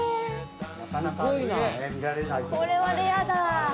これはレアだ。